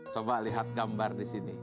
coba lihat gambar disini